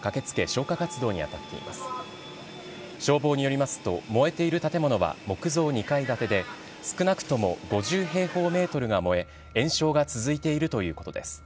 消防によりますと、燃えている建物は木造２階建てで、少なくとも５０平方メートルが燃え、延焼が続いているということです。